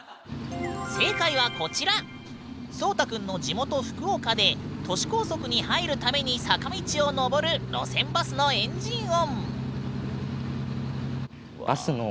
蒼太くんの地元福岡で都市高速に入るために坂道をのぼる路線バスのエンジン音。